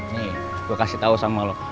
nih gue kasih tau sama lo